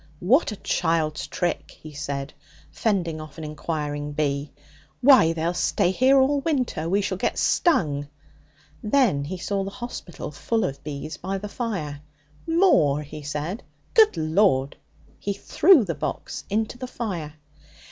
'What a child's trick!' he said, fending off an inquiring bee. 'Why, they'll stay here all winter! We shall get stung.' Then he saw the hospital full of bees by the fire. 'More?' he said. 'Good Lord!' He threw the box into the fire.